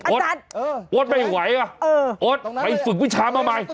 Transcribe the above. โอ๊ดโอ๊ดไม่ไหวอ่ะโอ๊ดอุปริศนียัลมาใหม่